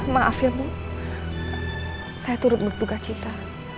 maaf ya bu saya turut berduga cinta